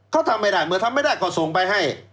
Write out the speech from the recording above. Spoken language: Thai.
เขาทำไม่ได้เมื่อทำไม่ได้ก็ส่งไปให้